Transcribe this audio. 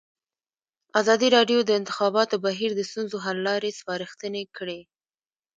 ازادي راډیو د د انتخاباتو بهیر د ستونزو حل لارې سپارښتنې کړي.